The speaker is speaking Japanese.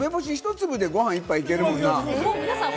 梅干し１粒でご飯１杯いけるな。